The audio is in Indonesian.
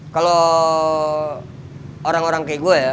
kalau orang orang kayak gue ya